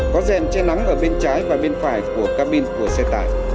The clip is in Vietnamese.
có rèn che nắng ở bên trái và bên phải của cabin của xe tải